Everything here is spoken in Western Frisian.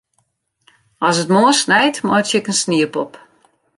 As it moarn snijt, meitsje ik in sniepop.